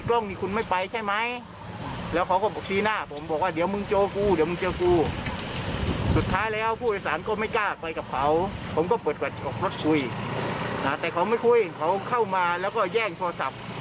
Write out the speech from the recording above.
แต่เขาไม่คุยเขาเข้ามาแล้วก็แย่งโทรศัพท์